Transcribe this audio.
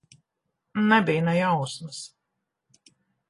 Nebija ne jausmas.